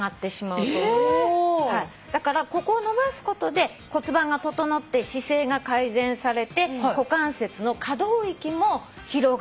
だからここを伸ばすことで骨盤が整って姿勢が改善されて股関節の可動域も広がります。